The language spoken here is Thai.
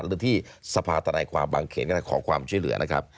หรือที่สภาธนายความบางเขนก็เลยขอความช่วยเหลือนะครับ